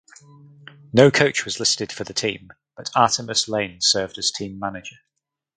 No coach was listed for the team but Artemus Lane served as team manager.